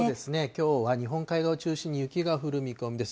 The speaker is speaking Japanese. きょうは日本海側を中心に雪が降る見込みです。